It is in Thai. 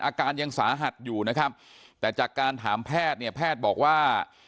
อาการยังสาหัสอยู่นะครับแต่จากการถามแพทย์เนี่ยแพทย์บอกว่า